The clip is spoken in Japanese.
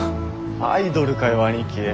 アイドルかよ兄貴。